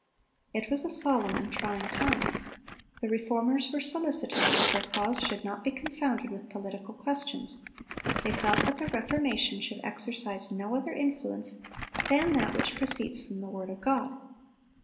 It was a solemn and trying time. The Reformers were solicitous that their cause should not be confounded with political questions; they felt that the Reformation should exercise no other influence than that which proceeds from the word of God.